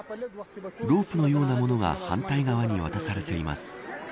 ロープのようなものが反対側に渡されています。